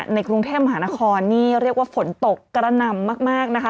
ในกรุงเทพมหานครนี่เรียกว่าฝนตกกระหน่ำมากนะคะ